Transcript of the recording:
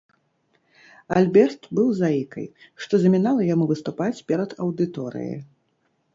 Альберт быў заікай, што замінала яму выступаць перад аўдыторыяй.